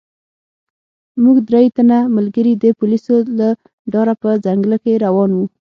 موږ درې تنه ملګري د پولیسو له ډاره په ځنګله کې روان وو.